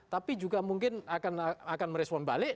tapi juga mungkin akan merespon balik